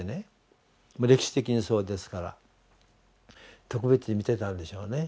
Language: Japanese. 歴史的にそうですから特別に見てたんでしょうね。